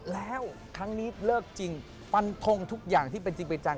แล้วพี่จะไปแต่งงาน